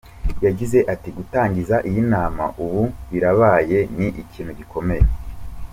Yagize ati”Gutangiza iyi nama ubu birabaye ni ikintu gikomeye.